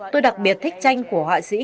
tôi đặc biệt thích tranh của họa sĩ